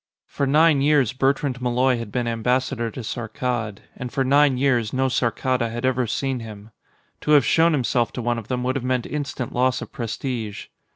For nine years, Bertrand Malloy had been Ambassador to Saarkkad, and for nine years, no Saarkkada had ever seen him. To have shown himself to one of them would have meant instant loss of prestige.